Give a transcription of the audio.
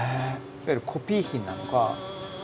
いわゆるコピー品なのか。